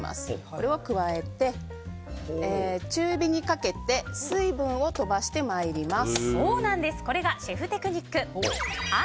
これを加えて、中火にかけて水分を飛ばしてまいります。